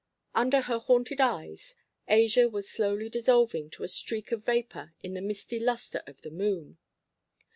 Under her haunted eyes Asia was slowly dissolving to a streak of vapour in the misty lustre of the moon.